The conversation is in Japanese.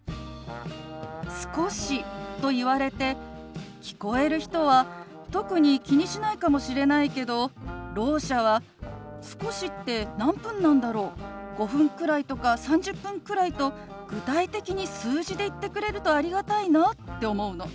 「少し」と言われて聞こえる人は特に気にしないかもしれないけどろう者は「少しって何分なんだろう？『５分くらい』とか『３０分くらい』と具体的に数字で言ってくれるとありがたいな」って思うの。